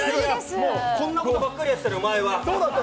もうこんなことばっかりやってたの、前は。